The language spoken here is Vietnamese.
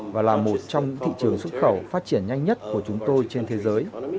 và là một trong những thị trường xuất khẩu phát triển nhanh nhất của chúng tôi trên thế giới